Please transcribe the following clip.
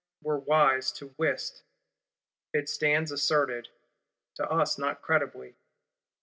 Were wise who wist! It stands asserted; to us not credibly.